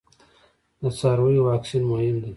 د څارویو واکسین مهم دی